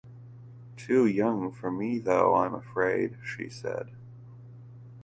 “Too young for me, though, I’m afraid,” she said.